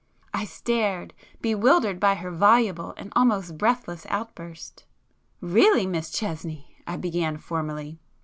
I stared, bewildered by her voluble and almost breathless outburst. "Really, Miss Chesney," I began formally.